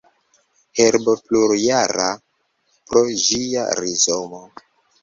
Herbo plurjara pro ĝia rizomo.